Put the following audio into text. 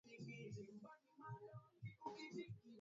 kutoka baraMji mkuu ni Quito lakini mji mkubwa zaidi ni Guayaquil